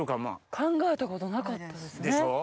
考えたことなかったですね。